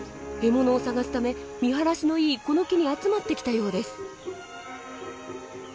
獲物を探すため見晴らしのいいこの木に集まってきたようです。